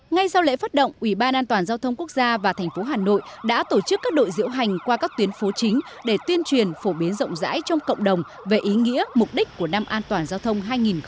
ngay sau lễ phát động ủy ban an toàn giao thông quốc gia và thành phố hà nội đã tổ chức các đội diễu hành qua các tuyến phố chính để tuyên truyền phổ biến rộng rãi trong cộng đồng về ý nghĩa mục đích của năm an toàn giao thông hai nghìn một mươi chín